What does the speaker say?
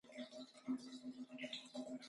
ښه مدیریت د ستونزو مخه نیسي.